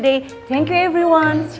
terima kasih semua sampai jumpa besok